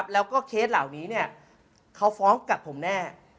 แล้วก็เคสเหล่านี้เขาฟ้องกับผมแน่